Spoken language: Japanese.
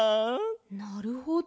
なるほど。